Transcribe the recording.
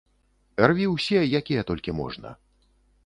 Рві ўсе, якія толькі можна.